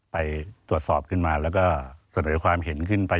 ไปตรวจสอบขึ้นมาแล้วก็เสนอความเห็นขึ้นไป